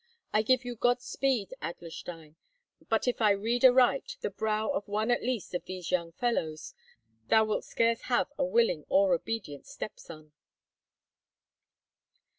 I give you good speed, Adlerstein; but, if I read aright the brow of one at least of these young fellows, thou wilt scarce have a willing or obedient stepson."